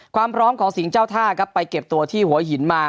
ความพร้อมของสิงห์เจ้าท่าครับไปเก็บตัวที่หัวหินมา